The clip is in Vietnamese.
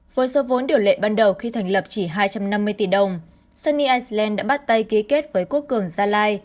với số vốn điều lệ ban đầu khi thành lập chỉ hai trăm năm mươi tỷ đồng sunny iceland đã bắt tay ký kết với quốc cường gia lai